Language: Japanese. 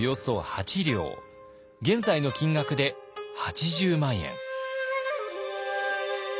現在の金額で８０万円。